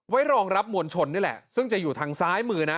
รองรับมวลชนนี่แหละซึ่งจะอยู่ทางซ้ายมือนะ